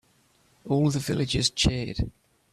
All the villagers cheered.